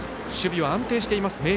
守備は安定しています